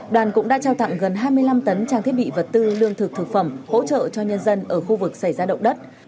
đoàn cũng đã trao tặng gần hai mươi năm tấn trang thiết bị vật tư lương thực thực phẩm hỗ trợ cho nhân dân ở khu vực xảy ra động đất